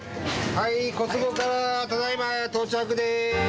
小坪からただいま到着です。